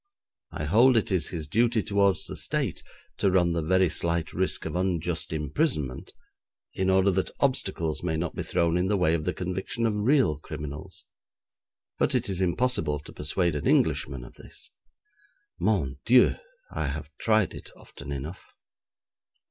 I hold it is his duty towards the State to run the very slight risk of unjust imprisonment in order that obstacles may not be thrown in the way of the conviction of real criminals. But it is impossible to persuade an Englishman of this. Mon Dieu! I have tried it often enough.